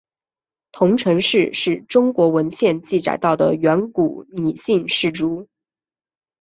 彤城氏是中国文献记载到的远古姒姓氏族。